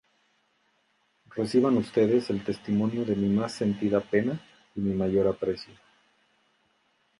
Reciban ustedes el testimonio de mi más sentida pena y mi mayor aprecio.